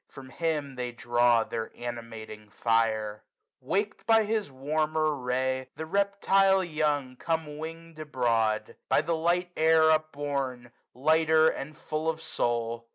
From him they draw their animating fire. 240 v. Wak'd by his warmer ray, the reptile young Come wingM abroad j by the light air upborn, Lighter, and full of soul.